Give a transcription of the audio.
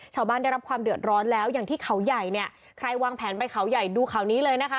ได้รับความเดือดร้อนแล้วอย่างที่เขาใหญ่เนี่ยใครวางแผนไปเขาใหญ่ดูข่าวนี้เลยนะคะ